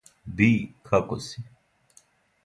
Би, како си?